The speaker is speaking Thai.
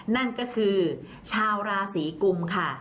นั่นก็คือชาวราศีกุมค่ะ